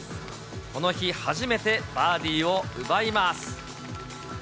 この日、初めてバーディーを奪います。